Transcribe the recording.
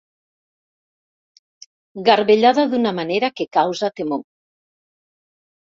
Garbellada d'una manera que causa temor.